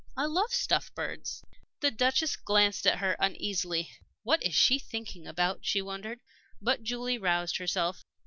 "I love stuffed birds." The Duchess glanced at her uneasily. "What is she thinking about?" she wondered. But Julie roused herself.